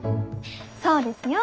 そうですよ。